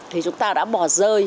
thì chúng ta đã bỏ rơi